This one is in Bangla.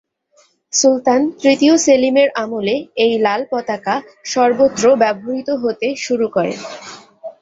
সুলতান তৃতীয় সেলিমের আমলে এই লাল পতাকা সর্বত্র ব্যবহৃত হতে শুরু করে।